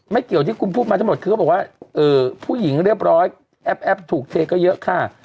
เกี่ยวที่คุณพูดมาทั้งหมดคือเขาบอกว่าผู้หญิงเรียบร้อยแอปถูกเทก็เยอะค่ะ